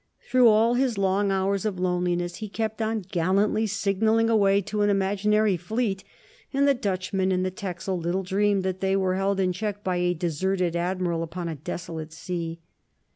Through all his long hours of loneliness he kept on gallantly signalling away to an imaginary fleet, and the Dutchmen in the Texel little dreamed that they were held in check by a deserted admiral upon a desolate sea.